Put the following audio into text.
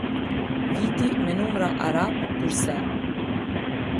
Viti me numra arab kurse.